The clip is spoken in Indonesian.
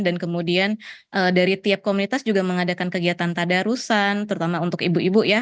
dan kemudian dari tiap komunitas juga mengadakan kegiatan tadarusan terutama untuk ibu ibu ya